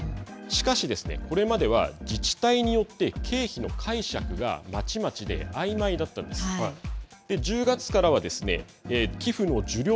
しかしですね、これまでは自治体によって経費の解釈がまちまちであいまいだったんですが１０月からはですね。